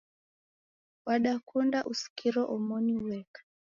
Wadakunda usikiro omoni ueka